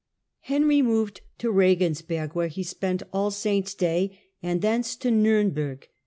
Henry moved to Regensberg, where he spent All Saints' day, and thence to Niimberg.